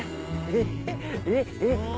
えっえっ。